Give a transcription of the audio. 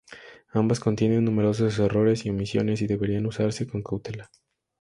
Ambas contienen numerosos errores y omisiones y deberían usarse con cautela.